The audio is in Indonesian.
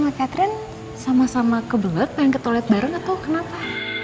ad drive sama sama ke belakangnya ni warnas ngaku